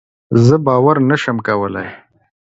زه باور نشم کولی.